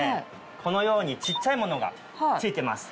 このように小っちゃいものが付いてます。